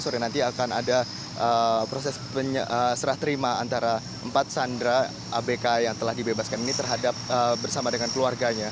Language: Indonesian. sore nanti akan ada proses serah terima antara empat sandera abk yang telah dibebaskan ini terhadap bersama dengan keluarganya